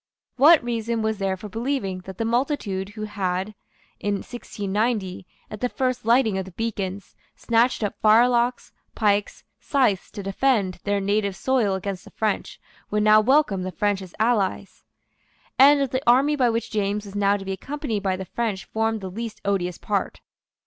What reason was there for believing that the multitude who had, in 1690, at the first lighting of the beacons, snatched up firelocks, pikes, scythes, to defend, their native soil against the French, would now welcome the French as allies? And of the army by which James was now to be accompanied the French formed the least odious part.